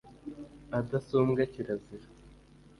Adasumbwa kirazira.